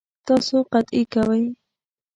تاسو قطعی کوئ؟